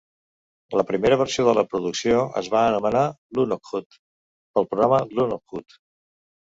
La primera versió de la producció es va anomenar "Lunokhod" pel programa Lunokhod.